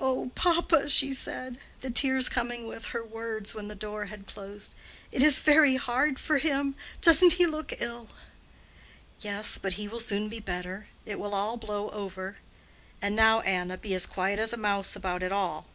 "Oh, papa," she said, the tears coming with her words when the door had closed; "it is very hard for him. Doesn't he look ill?" "Yes, but he will soon be better; it will all blow over. And now, Anna, be as quiet as a mouse about it all.